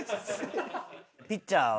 ピッチャーは。